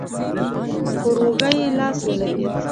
پر اوږه يې لاس ولګېد.